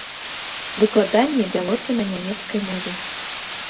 Выкладанне вялося на нямецкай мове.